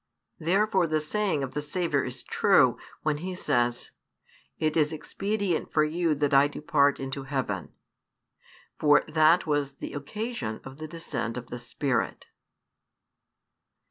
Therefore the saying of the Saviour is true, when He says, "It is expedient for you that I depart into heaven." For that was the occasion of the descent of the Spirit.